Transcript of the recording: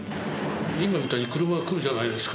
今みたいに車が来るじゃないですか。